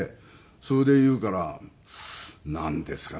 それで言うからなんですかね？